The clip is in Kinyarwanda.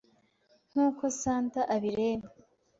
Nkuko Santa abireba